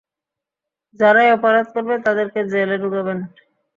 যারাই অপরাধ করবে, তাদেরলে জেলে ঢুকাবেন।